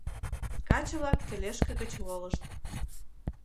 Каче-влак тележке гыч волышт.